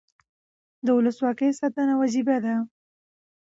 د ولسواکۍ ساتنه وجیبه ده